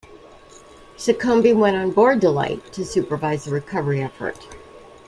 Seccombe went on board "Delight" to supervise the recovery effort.